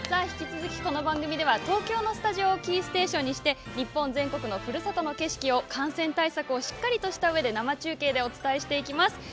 引き続き、この番組では東京のスタジオをキーステーションにして日本全国のふるさとの景色を感染対策をしっかりとしたうえで生中継でお伝えしていきます。